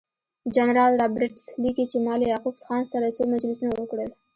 جنرال رابرټس لیکي چې ما له یعقوب خان سره څو مجلسونه وکړل.